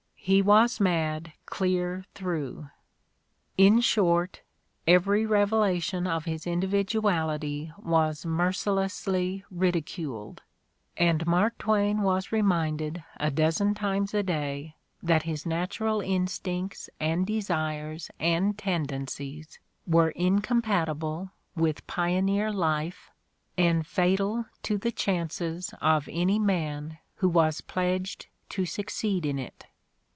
"He was mad clear through." In short, every revelation of his individuality was mercilessly ridiculed, and Mark Twain was reminded a dozen times a day that his nat ural instincts and desires and tendencies were incom patible with pioneer life and fatal to the chances of any man who was pledged to succeed in it.